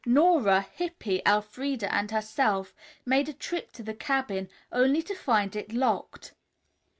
Nora, Hippy, Elfreda and herself made a trip to the cabin only to find it locked.